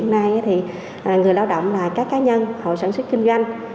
ngày hôm nay người lao động là các cá nhân họ sản xuất kinh doanh